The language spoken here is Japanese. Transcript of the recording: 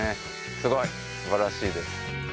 すごいすばらしいです。